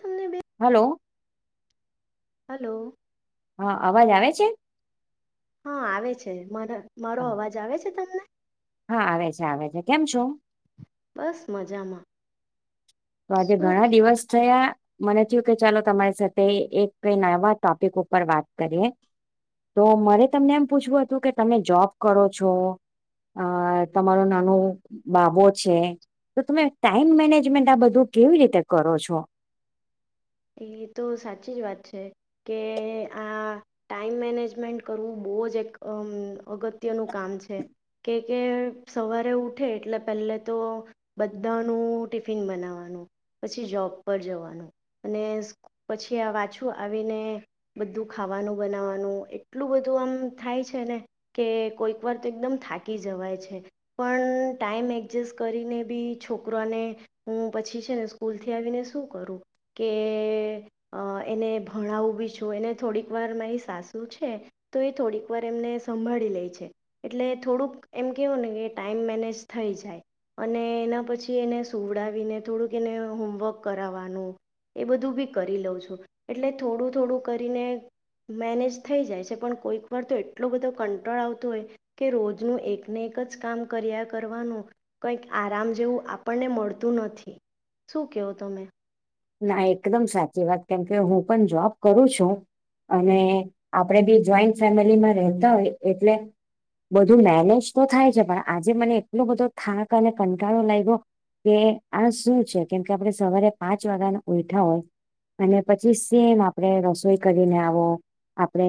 તમને બે hello. Hello. હા અવાજ આવે છે. હા આવે છે. મારો હા અવાજ આવે છે તમને? હા આવે છે, આવે છે. કેમ છો? બસ મજામાં. તો આજે શું ઘણા કે દિવસ થયા. મને થીયું કે ચાલો તમારી સાથે એક નાના ટોપિક ઉપર વાત કરીએ. તો મરે તમને એમ પૂછવું હતું કે તમે જોબ કરો છો. અ તમારો નાનો બાબો છે તો તમે ટાઈમ મેનેજમેન્ટ આ બધૂ બધુ કેવી રીતે કરો છો? એ તો સાચી જ વાત છે કે આ ટાઈમ મેનેજમેન્ટ કરવું બો જ એક અગત્યનું કામ છે. કે કે સવારે ઉઠે એટલે પહેલે તો બધાનું ટિફિન બનાવવાનું પછી જોબ પર જવાનું અને પછી આ પાછું આવીને બધું ખાવાનું બનાવાનું એટલું બધું આમ થાય છે ને કે કોઈક વાર તો એકદમ થાકી જવાય છે. પણ ટાઈમ એકજસ્ટ કરીને બી છોકરાને હું પછી છે ને સ્કૂલ થી આવીને શું કરું. કે એને ભણાવું બી છું એને થોડીક વાર મારી સાસુ છે તો એ થોડીક વાર એમને સંભાળી લે છે એટલે થોડુંક એમ કેવું ને કે ટાઈમ મેનેજ થઈ જાય અને એના પછી એને સુવડાવીને થોડુંક એને હોમવર્ક કરાવવાનું એ બધું બી કરી લઉં છું એટલે થોડું થોડું કરીને મેનેજ થઈ જાય છે પણ કોઈક વાર તો એટલો બધો કંટ્રોલ આવતોું હોય કે રોજનું એકને એક જ કામ કર્યા કરવાનું કંઈક આરામ જેવું આપણને મળતું નથી શું કેહો તમે ના એકદમ સાચી વાત કેમકે હું પણ જોબ કરું છું અને આપડે બી જોઈન્ટ ફેમિલીમાં રહેતા હોય એટલે બધું મેનેજ તો થાય છે પણ આજે મને એટલો બધો થાક અને કંટાળો લાગ્યો કે આ શું છે કેમ કે આપણે સવારે પાંચ વાગ્યા ઉઠા હોય અને પછી સેમ આપડે રસોઈ કરીને આવો આપડે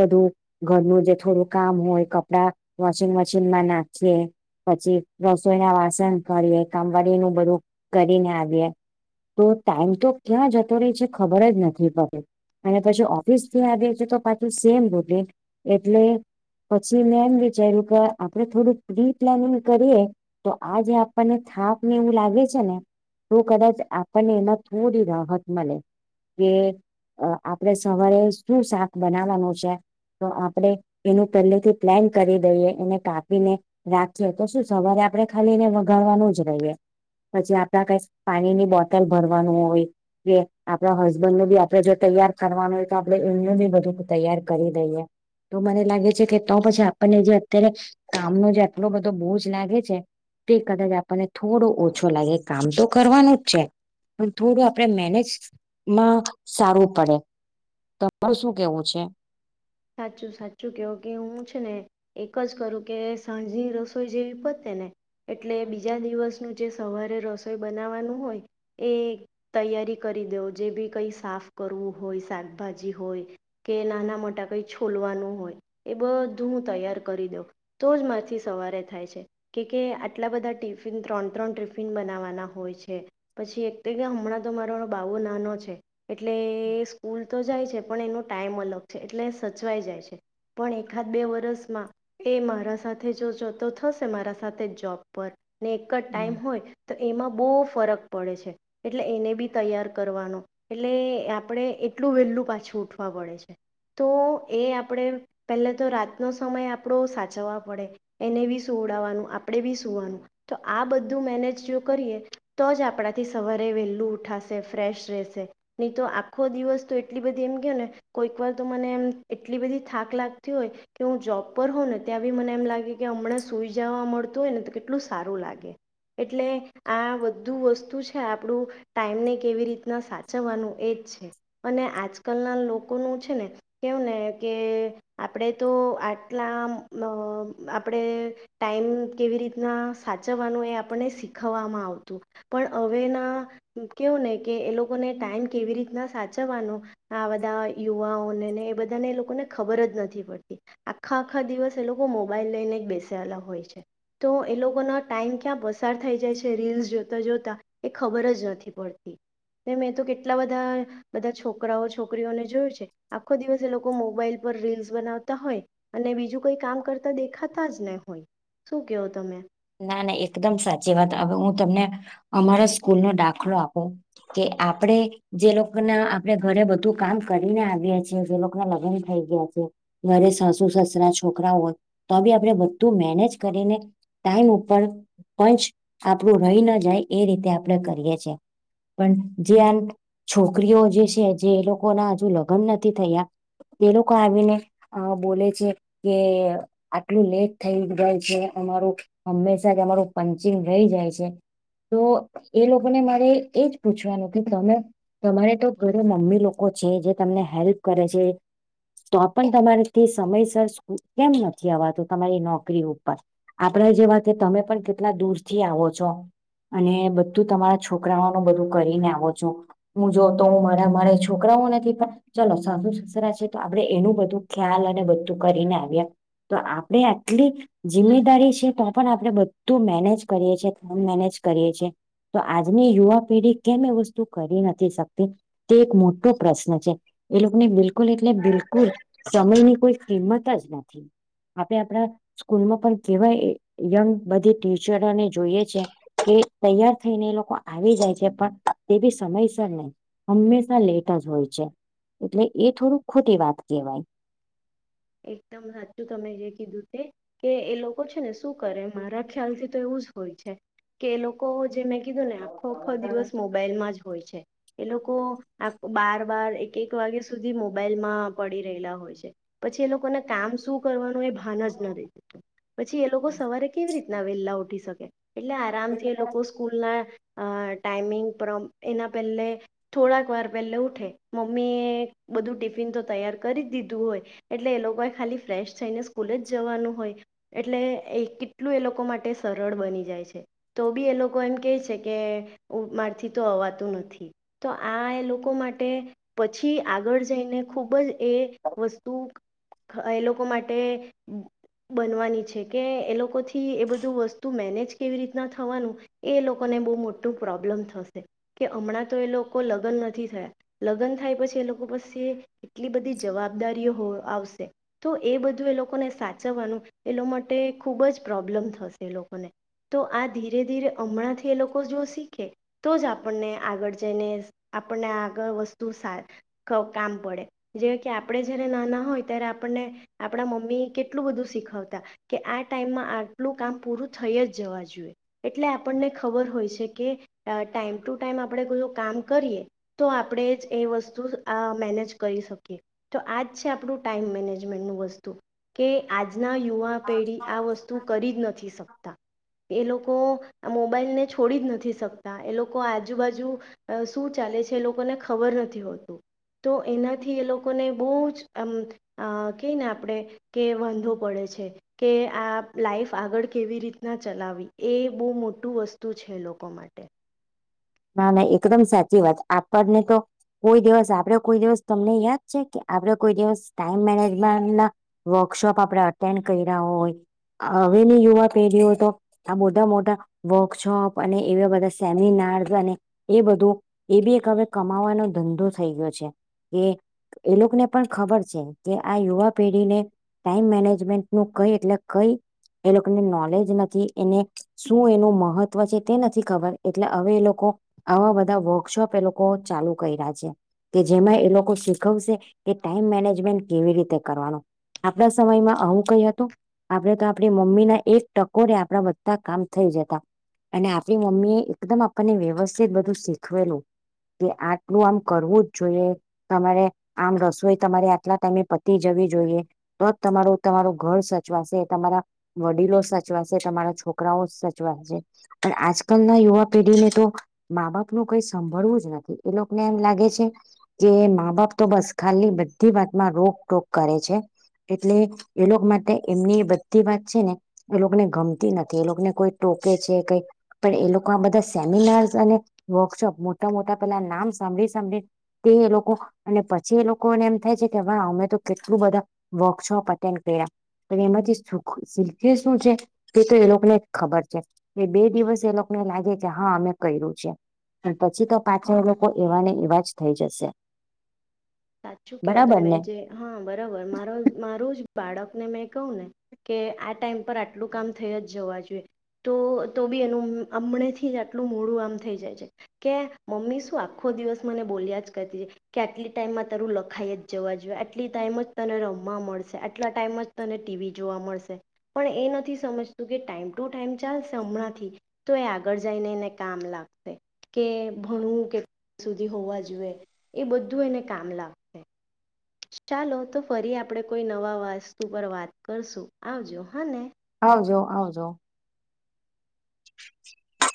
બધું ઘરનું જે થોડું કામ હોય કપડા વોશિંગ મશીનમાં નાખીએ પછી રસોઈ ના વાસણ કરીએ કામવાડી નું બધું કરીને આવીએ તો ટાઈમ તો ક્યાં જતો રહી છે ખબર જ નથી પતી અને પછી ઓફિસ થી આવી છે તો પાછું સેમ બટ એટલે પછી મેં એમ વિચાર્યું કે આપડે થોડું પ્રી પ્લાનિંગ કરીએ તો આ જે આપણને થાક ને એવું લાગે છે ને તોું કદાચ પણ એમાં થોડી રાહત મળે કે અ આપડે સવારે શું શાક બનાવાનું છે તો આપણેે એનું પહેલે થી પ્લાન કરી દઈએ એને કાપીને રાખીએ તો શું સવારે આપડણે ખાલીને વગાડવાનું જ રહીએ પછી આપડા કઈ પાણીની બોટલ ભરવાનું હોય કે આપણા હસબન્ડ નું બી આપડે જો તૈયાર કરવાનું હોય તો આપડે એમનું બી બધું તૈયાર કરી દઈએ તો મને લાગે છે કે તો પછી આપણને જે અત્યારે કામનો જે આટલો બધો બોજ લાગે છે તે કદાચ આપણને થોડો ઓછો લાગે કામ તો કરવાનું જ છે પણ થોડું આપડે મેનેજમાં સારું પડે તમારું શું કેવું છે સાચું સાચું કેહવ કે હું છે ને એક જ કરું કે સાંજની રસોઈ જેવી પતે ને એટલે બીજા દિવસનું જે સવારે રસોઈ બનાવવાનું હોય એ તૈયારી કરી દેવ જે બી કઈ સાફ કરવું હોય શાકભાજી હોય કે નાના મોટા કંઈ છોલવાનું હોય એ બધું હું તૈયાર કરી દઉં તો જ માંથી સવારે થાય છે કે કે આટલા બધા ટિફિન ત્રણ ત્રણ ટિફિન બનાવવાના હોય છે પછી એક તો કે હમણાં તો મારો બાબુ નાનો છે એટલે સ્કૂલ તો જાય છે પણ એનો ટાઈમ અલગ છે એટલે સચવાઈ જાય છે પણ એખાદ બે વરસમાં એ મારા સાથે જો જો તો થશે મારા સાથે જોબ પર ને એક જ ટાઈમ હોય તો એમાં બહુ ફરક પડે છે એટલે એને બી તૈયાર કરવાનો એટલે આપણે એટલું વેલું પાછું ઉઠવા પડે છે તો એ આપણે પહેલા તો રાતનો સમય આપણો સાચવવા પડે એને બી સુવડાવવાનું આપણે બી સુવાનું તો આ બધું મેનેજ જો કરીએ તો જ આપણાથી સવારે વેહેલું ઉઠાશે ફ્રેશ રહેશે નહી તો આખો દિવસ તો એટલી બધી એમ ગયો ને કોઈક વાર તો મને એમ એટલી બધી થાક લાગતી હોય કે હું જોબ પર હોઉં ને ત્યાં બી મને એમ લાગે કે હમણાં સુઈ જવા મળતું હોય ને તો કેટલું સારું લાગે એટલે આ બધું વસ્તુ છે આપણું ટાઈમને કેવી રીતના સાચવવાનું એ જ છે અને આજકાલના લોકોનું છે ને કેવું ને કે આપણે તો આટલા ન આપણે ટાઈમ કેવી રીતના સાચવવાનું એ આપણને શીખવવામાં આવતું પણ હવેના કેવું ને કે એ લોકોને ટાઈમ કેવી રીતના સાચવવાનો આ બધા યુવાઓને અને એ બધાને એ લોકોને ખબર જ નથી પડતી આખા આખા દિવસ એ લોકો મોબાઈલ લઈને જ બેસેલા હોય છે તો એ લોકોનો ટાઈમ ક્યાં પસાર થઈ જાય છે રીલ્સ જોતા જોતા એ ખબર જ નથી પડતી મેં તો કેટલા બધા બધા છોકરાઓ છોકરીઓને જોયું છે આખો દિવસ એ લોકો મોબાઈલ પર રીલ્સ બનાવતા હોય અને બીજું કોઈ કામ કરતા દેખાતા જ ને હોય શું કયો તમે ના ના એકદમ સાચી વાત હવે હું તમને અમારા સ્કૂલ નો દાખલો આપું કે આપડે જે લોકો ના આપડે ઘરે બધું કામ કરીને આવીએ છીએ જે લોકો ના લગ્ન થઈ ગયા છે ઘરે સાસુ સસરા છોકરા હોય તો બી આપણે બધું મેનેજ કરીને ટાઈમ ઉપર પંચ આપણું રહી ના જાય એ રીતે આપણે કરીએ છીએ પણ જે આ છોકરીઓ જે છે જે એ લોકો ના હજુ લગ્ન નથી થયા એ લોકો આવી ને અ બોલે છે કે આટલું લેટ થઈ જાય છે અમારું હંમેશા જ અમારું પંચિંગ રહી જાય છે તો એ લોકોને મારે એજ પૂછવાનું કે તમે તમારે તો ધરે મમ્મી લોકો છે જે તમને હેલ્પ કરે છે તો પણ તમારેથી સમયસર કેમ નથી અવાતું તમારી નોકરી ઉપર આપડા જેવા કે તમે પણ કેટલા દૂર થી આવો છો અને બધું તમારા છોકરાઓ નું બધું કરીને આવો છો હું જો તો હું મારા મારા છોકરાઓ નથી ચાલો સાસુ સસરા છે તો આપણેે એનું બધું ખ્યાલ અને બધું કરીને આવીએ તો આપણી આટલી જિમ્મેદારી તો પણ આપણે બધું મેનેજ કરીએ છીએ કામ મેનેજ કરીએ છીએ તો આજની યુવા પેઢી કેમ એ વસ્તુ કરી નથી શકતી તે એક મોટો પ્રશ્ન છે એ લોકોને બિલકુલ એટલે બિલકુલ સમયની કોઈ કિંમત જ નથી આપડે આપડા સ્કૂલમાં પણ કેવાય યંગ બધી ટીચરોને જોઈએ છે એ તૈયાર થઈને એ લોકો આવી જાય છે પણ તે બી સમયસર નહી હંમેશા લેટ જ હોય છે એટલે એ થોડું ખોટી વાત કહેવાય એકદમ સાચું તમે જે કીધું તે કે એ લોકો છે ને શું કરે મારા ખ્યાલથી તો એવું જ હોય છે કે એ લોકો જે મે કીધું ને આખો આખો દિવસ મોબાઈલમાં જ હોય છે એ લોકો આ બાર બર એક એક વાગ્યા સુધી મોબાઈલમાં પડી રહેલા હોય છે પછી એ લોકોને કામ શું કરવાનું એ ભાન જ નથી પછી એ લોકો સવારે કેવી રીતે ના વહેલા ઉઠી શકે એટલે આરામથી એ લોકો સ્કૂલ ના અ ટાઈમિંગ પ્રમ એના પહેલે થોડાક વાર પહેલે ઉઠે મમ્મી એ બધું ટિફિન તો તૈયાર કરી દીધું હોય એટલે એ લોકો એ ખાલી ફ્રેશ થઈને સ્કૂલે જ જવાનું હોય એટલે એ કેટલું એ લોકો માટે સરળ બની જાય છે તો બી એ લોકો એમ કે છે કે મારથી તો અવાતું નથી તો આ એ લોકો માટે પછી આગળ જઈને ખુબ જ એ વસ્તુ એ લોકો માટે બનવાની છે કે એ લોકોથી થી એ બધું વસ્તુ મેનેજ કેવી રીતના થવાનું એ લોકોને બહુ મોટું પ્રોબ્લેમ થશે કે હમણાં તો એ લોકો લગ્ન નથી થયા લગ્ન થાય પછી એ લોકો પછી એટલી બધી જવાબદારીઓ આવશે તો એ બધું એ લોકોને સાચવવાનું એ લોકો માટે ખૂબ જ પ્રોબ્લેમ થશે એ લોકોને તો આ ધીરે ધીરે હમણાંથી એ લોકો જો શીખે તો જ આપણને આગળ જઈને આપણને આગળ વસ્તુ સા ખ કામ પડે જે કે આપડે જયારે નાના હોય ત્યારે આપણને આપણા મમ્મી કેટલું બધું શીખવતા કે આ ટાઈમમાં આટલું કામ પૂરું થઈ જ જવા જોઈએ એટલે આપણને ખબર હોય છે કે ટાઈમ ટુ ટાઈમ આપડે કોઈ કામ કરીએ તો આપડે જ એ વસ્તુ મેનેજ કરી શકીએ તો આજ છે આપડુ ટાઈમ મેનેજમેન્ટનું વસ્તુ કે આજના યુવા પેઢી આ વસ્તુ કરી જ નથી શકતા એ લોકો આ મોબાઈલને છોડી જ નથી શકતા એ લોકો આજુબાજુ અ શું ચાલે છે એ લોકોને ખબર નથી હોતું તો એનાથી એ લોકોને બહુ જ આમ અ કેય ને આપડે કે વાંધો પડે છે કે આ લાાઈફ આગળ કેવી રીતના ચલાવી એ બહુ મોટું વસ્તુ છે લોકો માટે ના ના એકદમ સાચી વાત આપણને તો કોઈ દિવસ આપડે કોઈ દિવસ તમને યાદ છે કે આપડે કોઈ દિવસ ટાઈમ મેનેજમેન્ટ ના વર્કશોપ આપડે અટેન્ડ કર રહ્યા હોય હવેની યુવા પેઢીઓ તો આ મોટા મોટા વર્કશોપ અને એવા બધા સેમિનાર એ બધું એ બી એક હવે કમાવાનો ધંધો થઈ ગયો છે એ એ લોકોને પણ ખબર છે કે આ યુવા પેઢીને ટાઈમ મેનેજમેન્ટ નું કઈ એટલે કઈ એ લોકોને નોલેજ નથી એને શું એનું મહત્વ છે તે નથી ખબર એટલે હવે એ લોકો આવા બધા વર્કશોપ એ લોકો ચાલુ કર રહ્યા છે કે જેમાં એ લોકો શીખવશે કે ટાઈમ મેનેજમેન્ટ કેવી રીતે કરવાનો આપણા સમયમાં હું કઈ હતું આપણેે તો આપણી મમ્મી ના એક ટકોરે આપણા બધા કામ થઈ જતા અને આપડી મમ્મી એ એકદમ આપણને વ્યવસ્થિત બધું શીખવેલું કે આટલું આમ કરવું જ જોઈએ તમારે આમ રસોઈ તમારે આટલા ટાઈમે પતી જવી જોઈએ તો જ તમારું તમારું ઘર સચવાશે તમારા વડીલો સચવાશે તમારા છોકરાઓ સચવાશે પણ આજકાલ ના યુવા પેઢીને તો મા બાપ નું કઈ સાભળવું જ નથી એ લોકોને એમ લાગે છે કે મા બાપ તો બસ ખાની બધી વાતમાં રોકટોક કરે છે એટલે એ લોકો માટે એમની બધી વાત છે ને એ લોકોને ગમતી નથી એ લોકોને કોઈ ટોકે છે કઈ પણ એ લોકો આ બધા સેમિનાર્સ અને વર્કશોપ મોટા મોટા પેલા નામ સાંભળી સાંભળી તે એ લોકો અને પછી એ લોકોને એમ થાય છે કે અમે તો કેટલું બધા વર્કશોપ અટેન્ડ કર્યા પણ એમાથી શીખ્યું શું છે એ તો એ લોકોને જ ખબર છે એ બે દિવસ એ લોકોને લાગે કે હા અમે કર્યું છે પણ પછી તો પાછળ લોકો એવાને એવા જ થઈ જશે સાચું કેવું બરાબર તમે ને જે હા બરાબર મારો મારું જ બાળકને મેં કહું ને કે આ ટાઈમ પર આટલું કામ થઈ જ જવા જોઈએ તો તો બી એનું હમણે થી જ આટલું મોડું આમ થઈ જાય છે કે મમ્મી શું આખો દિવસ મને બોલ્યા જ કરતી છે કેટલી ટાઈમમાં તારું લખાઈ જવા જોઈએ આટલી ટાઈમ જ તને રમવા મળશે આટલા ટાઈમ જ તને ટીવી જોવા મળશે પણ એ નથી સમજતું કે ટાઈમ ટુ ટાઈમ ચાલશે હમણાંથી તો એ આગળ જઈને એને કામ લાગશે કે ભણું કે સુધી હોવા જોઈએ એ બધું એને કામ લાગ ચાલો તો ફરી આપણે કોઈ નવા વસ્તુ પર વાત કરશું આવજો હા ને આવાજો આવજો [inaudible]